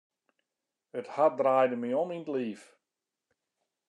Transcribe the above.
It hart draaide my om yn it liif.